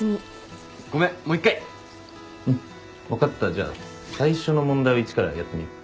じゃあ最初の問題を一からやってみよう。